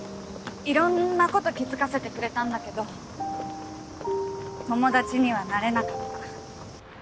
いろんなこと気付かせてくれたんだけど友達にはなれなかった。